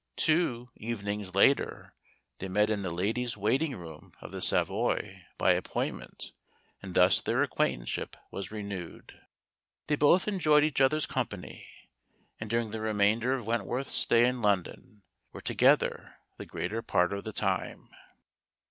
Two evenings later they met in the ladies' waiting room of the Savoy by appointment, and thus their acquaintanceship was renewed. They both enjoyed each other's company, and during the remainder of Wentworth's stay in London were together the greater part of the time.